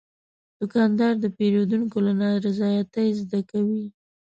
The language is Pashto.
دوکاندار د پیرودونکو له نارضایتۍ زده کوي.